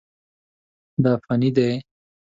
دا فني دي.